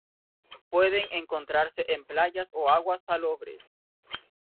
Pueden encontrarse en playas o aguas salobres.